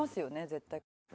絶対。